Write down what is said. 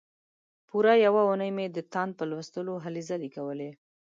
پوره یوه اونۍ مې د تاند په لوستلو هلې ځلې کولې.